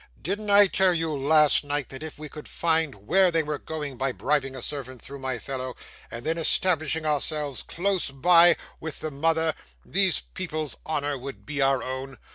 'Didn't I tell you last night that if we could find where they were going by bribing a servant through my fellow, and then established ourselves close by with the mother, these people's honour would be our own?